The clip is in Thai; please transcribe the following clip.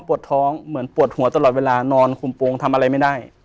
ปวดท้องเหมือนปวดหัวตลอดเวลานอนคุมโปรงทำอะไรไม่ได้